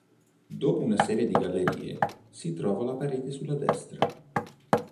Dopo una serie di gallerie, si trova la parete sulla destra.